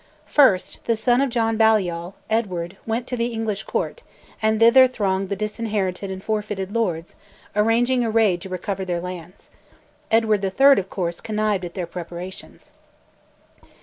First, the son of John Balliol, Edward, went to the English Court, and thither thronged the disinherited and forfeited lords, arranging a raid to recover their lands. Edward III., of course, connived at their preparations.